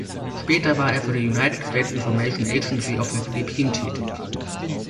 Später war er für die United States Information Agency auf den Philippinen tätig.